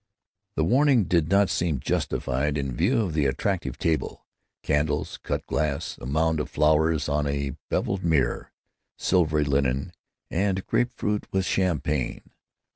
The warning did not seem justified in view of the attractive table—candles, cut glass, a mound of flowers on a beveled mirror, silvery linen, and grape fruit with champagne.